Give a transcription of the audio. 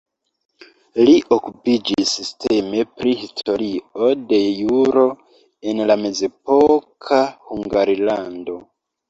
Li okupiĝis sisteme pri historio de juro en la mezepoka Hungarlando.